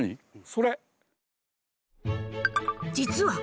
それ。